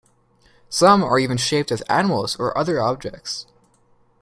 Some are even shaped as animals or other objects.